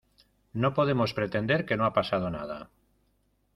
No podemos pretender que no ha pasado nada.